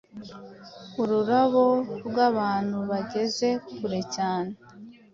Ururabo rwabantu bageze kure cyane